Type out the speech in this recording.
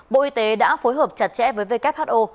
bộ y tế đã phối hợp chặt chẽ với who